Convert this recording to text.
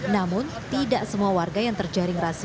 namun tidak semua warga yang terjaring razia